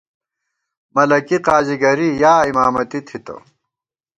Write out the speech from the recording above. ملَکی ، قاضی گَرِی یا اِمامَتی تھِتہ